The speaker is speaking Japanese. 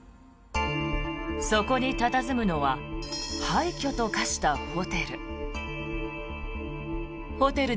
そこに佇むのは廃虚と化したホテル。